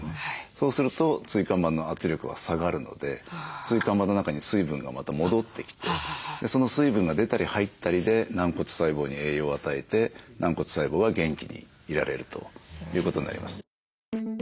そうすると椎間板の圧力は下がるので椎間板の中に水分がまた戻ってきてその水分が出たり入ったりで軟骨細胞に栄養を与えて軟骨細胞は元気にいられるということになります。